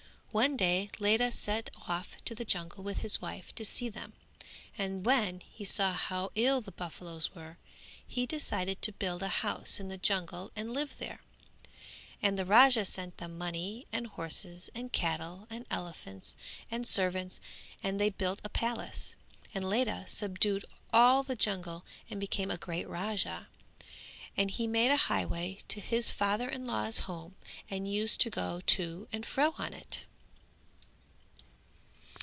One day Ledha set off to the jungle with his wife to see them and when he saw how ill the buffaloes were, he decided to build a house in the jungle and live there. And the Raja sent them money and horses and cattle and elephants and servants and they built a palace and Ledha subdued all the jungle and became a great Raja; and he made a highway to his father in law's home and used to go to and fro on it.